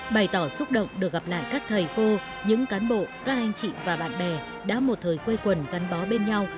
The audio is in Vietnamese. bày tỏ xúc động được gặp lại các thầy cô những cán bộ các anh chị và bạn bè đã một thời quây quần gắn bó bên nhau